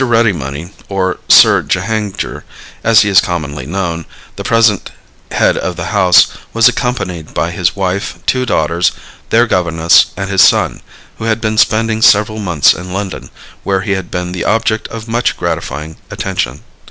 Readymoney, or Sir Jehangir, as he is commonly known, the present head of the house, was accompanied by his wife, two daughters, their governess, and his son, who had been spending several months in London, where he had been the object of much gratifying attention.